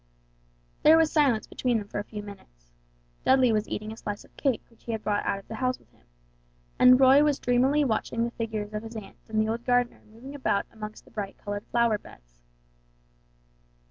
There was silence between them for a few minutes. Dudley was eating a slice of cake which he had brought out of the house with him, and Roy was dreamily watching the figures of his aunt and the old gardener moving about amongst the bright colored flower beds.